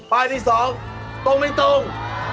ที่๒ตรงไม่ตรง